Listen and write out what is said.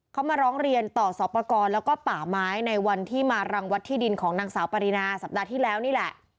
เขามาร้องเรียนต่อสอบประกอบแล้วก็ป่าไม้ในวันที่มารังวัดที่ดินของนางสาวปรินาสัปดาห์ที่แล้วนี่แหละ